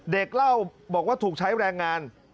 เล่าบอกว่าถูกใช้แรงงาน